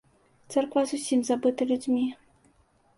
Царква зусім забыта людзьмі.